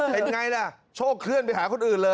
เป็นไงล่ะโชคเคลื่อนไปหาคนอื่นเลย